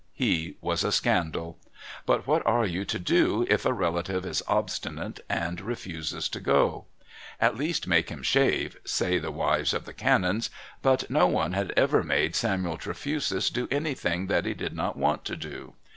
He was a scandal, but what are you to do if a relative is obstinate and refuses to go? At least make him shave, say the wives of the canons. But no one had ever made Samuel Trefusis do anything that he did not want to do.